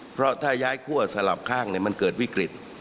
เพราะถ้าย้ายคั่วสลับข้างมันเกิดวิกฤต